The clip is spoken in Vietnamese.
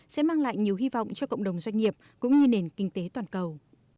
sẽ mang lại nhiều hy vọng cho cộng đồng doanh nghiệp cũng như nền kinh tế toàn cầu